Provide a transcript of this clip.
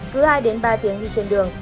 cứ hai ba tiếng đi trên đường